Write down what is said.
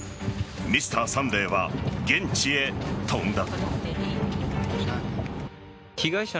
「Ｍｒ．サンデー」は現地へ飛んだ。